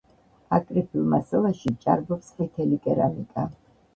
აკრეფილ მასალაში ჭარბობს ყვითელი კერამიკა.